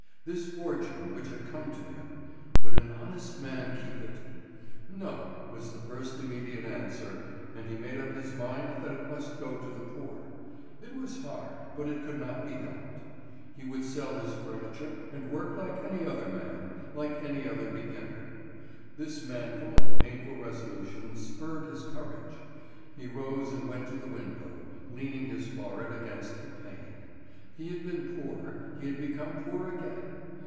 This fortune which had come to him. Would an honest man keep it? "No," was the first immediate answer, and he made up his mind that it must go to the poor. It was hard, but it could not be helped. He would sell his furniture and work like any other man, like any other beginner. This manful and painful resolution spurred his courage; he rose and went to the window, leaning his forehead against the pane. He had been poor; he could become poor again.